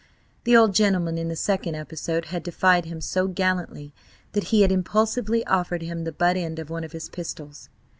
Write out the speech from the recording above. The old gentleman in the second episode had defied him so gallantly that he had impulsively offered him the butt end of one of his pistols.